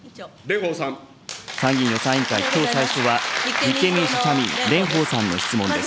参議院予算委員会、きょう最初は立憲民主・社民、蓮舫さんの質問です。